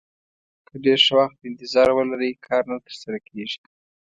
که ډېر ښه وخت ته انتظار ولرئ کار نه ترسره کېږي.